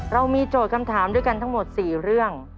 เรามีโจทย์คำถามด้วยกันทั้งหมด๔เรื่อง